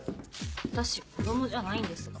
私子供じゃないんですが。